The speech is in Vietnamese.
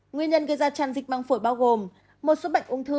nguyên nhân gây ra tràn dịch măng phổi bao gồm một số bệnh ung thư